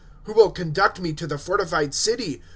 '" Who will conduct me to the fortified city!